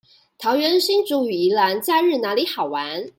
桃園新竹與宜蘭假日哪裡好玩